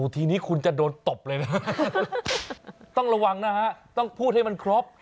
ทีนี้คุณจะโดนตบเลยนะต้องระวังนะฮะต้องพูดให้มันครบ